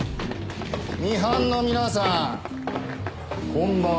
ミハンの皆さんこんばんは。